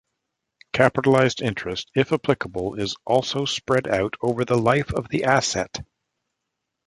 Capitalized interest if applicable is also spread out over the life of the asset.